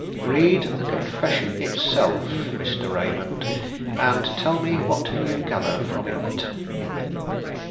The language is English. Read the confession itself, Mr. Raymond, and tell me what you gather from it."